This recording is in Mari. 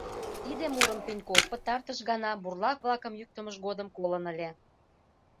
Тиде мурым Пеньков пытартыш гана бурлак-влакым йӱктымыж годым колын ыле.